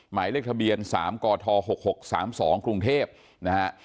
หมายเลขทะเบียน๓กท๖๖๓๒กรุงเทพนะฮะ